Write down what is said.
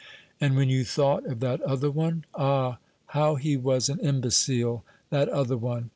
"And when you thought of that other one? Ah, how he was an imbecile, that other one!